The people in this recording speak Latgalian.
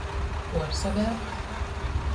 Puorsavērt.